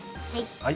はい！